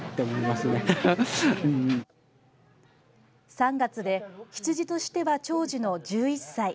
３月で羊としては長寿の１１歳。